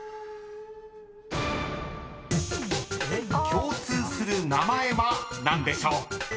［共通する名前は何でしょう？］